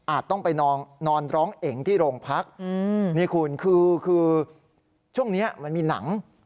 ต้องไปนอนร้องเอ๋งที่โรงพักนี่คุณคือช่วงนี้มันมีหนัง